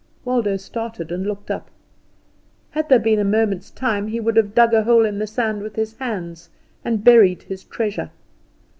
Waldo started and looked up. Had there been a moment's time he would have dug a hole in the sand with his hands and buried his treasure.